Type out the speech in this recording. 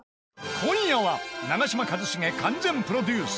今夜は長嶋一茂完全プロデュース！